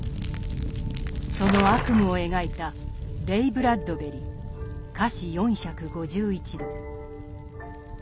その悪夢を描いたレイ・ブラッドベリ「華氏４５１度」。